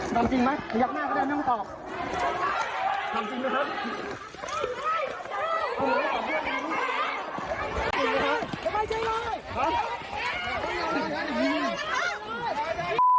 สวัสดีค่ะ